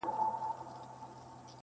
زما پر ښکلي اشنا وایه په ګېډیو سلامونه،